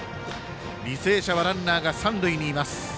履正社はランナーが三塁にいます。